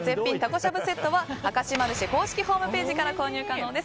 しゃぶセットは明石マルシェ公式ホームページから購入可能です。